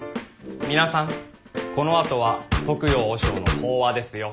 皆さんこのあとは徳陽和尚の法話ですよ。